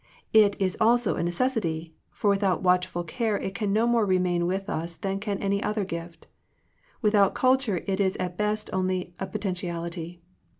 It is also a necessity; for without watchful care it can no more remain with us than can any other gift. Without culture it is at best only a potentiality.